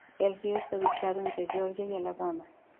El río está ubicado entre Georgia y Alabama.